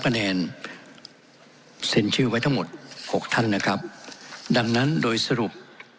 คะแนนเซ็นชื่อไว้ทั้งหมดหกท่านนะครับดังนั้นโดยสรุป